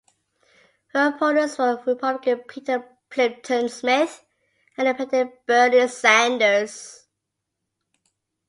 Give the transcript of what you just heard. Her opponents were Republican Peter Plympton Smith and independent Bernie Sanders.